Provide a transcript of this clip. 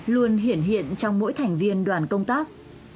luôn hiển hiện hiện trong mỗi thành viên đoàn công tác